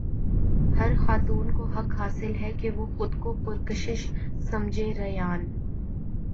ہر خاتون کو حق حاصل ہے کہ وہ خود کو پرکشش سمجھے ریانا